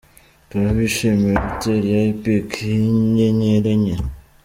Turabishimira hoteli ya Epic y’inyenyeri enye.